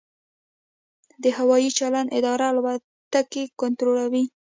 د هوايي چلند اداره الوتکې کنټرولوي؟